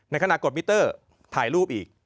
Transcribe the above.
ขณะกดมิเตอร์ถ่ายรูปอีก